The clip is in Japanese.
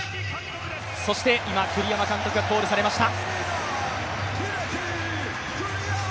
そして今、栗山監督がコールされました。